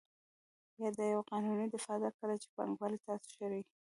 یا دا یوه قانوني دفاع ده کله چې پانګوال تاسو شړي